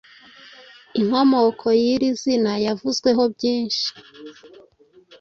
Inkomoko y’iri zina yavuzweho byinshi